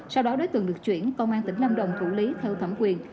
sau đó đối tượng được chuyển công an tỉnh lâm đồng thủ lý theo thẩm quyền